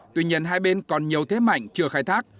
tuy nhiên hai bên còn nhiều thế mạnh chưa khai thác